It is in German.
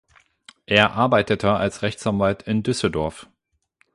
Er arbeitete als Rechtsanwalt in Düsseldorf.